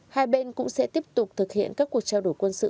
hai bên cũng sẽ tiếp tục thực hiện các cuộc trao đổi quân sự